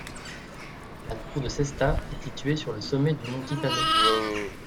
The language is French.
La tour de Cesta est située sur le sommet du mont Titano.